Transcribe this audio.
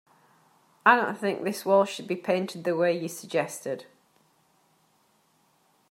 I don't think this wall should be painted the way you suggested.